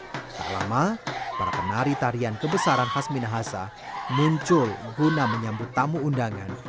tak lama para penari tarian kebesaran khas minahasa muncul guna menyambut tamu undangan